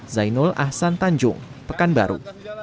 zainul ahsan tanjung pekanbaru